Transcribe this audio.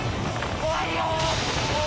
怖いよー。